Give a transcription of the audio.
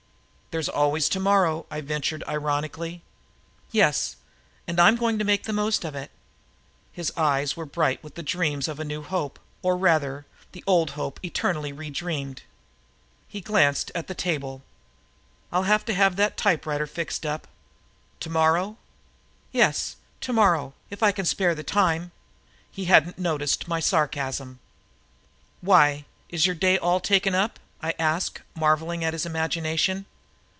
"There's always tomorrow," I ventured ironically. "Yes, and I'm going to make the most of it." His eyes were bright with the dream of a new hope; or rather, the old hope eternally redreamed. He glanced at the table. "I'll have to have that typewriter fixed up." "Tomorrow?" "Yes, tomorrow, if I can spare the time." He hadn't noticed my sarcasm. "Why, is your day all taken up?" I asked, marvelling at his imagination.